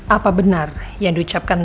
apa benar yang diucapkan